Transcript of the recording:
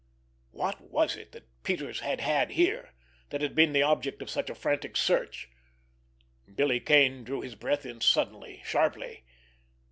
What was it that Peters had had here, that had been the object of such a frantic search? Billy Kane drew his breath in suddenly, sharply.